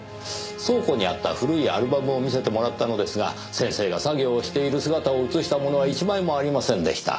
倉庫にあった古いアルバムを見せてもらったのですが先生が作業をしている姿を写したものは一枚もありませんでした。